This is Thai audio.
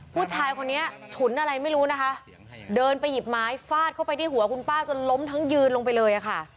ผู้ชายคนนี้ฉุนอะไรไม่รู้นะคะเดินไปหยิบไม้ฟาดเข้าไปที่หัวคุณป้าจนล้มทั้งยืนลงไปเลยค่ะ